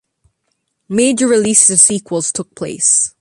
Major releases of sequels took place.